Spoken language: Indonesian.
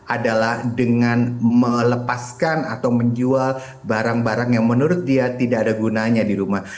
adalah dengan melepaskan atau menjual barang barang yang menurut dia tidak ada gunanya di rumah